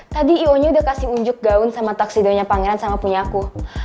tadi ionya udah kasih unjuk gaun sama taksido nya pangeran sama punyaku